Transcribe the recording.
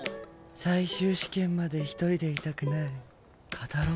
最終試験まで１人でいたくない。